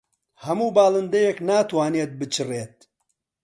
هەموو باڵندەیەک ناتوانێت بچڕێت.